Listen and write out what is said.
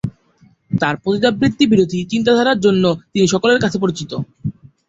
তার পতিতাবৃত্তি বিরোধী চিন্তাধারার জন্য তিনি সকলের কাছে পরিচিত।